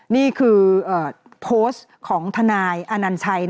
นี่คือโพสต์ของทนายอนัญชัย